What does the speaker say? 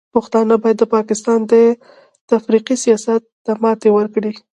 پښتانه باید د پاکستان د تفرقې سیاست ته ماتې ورکړي.